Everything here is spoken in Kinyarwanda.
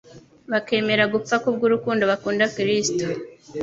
bakemera gupfa kubw'urukundo bakunda Kristo.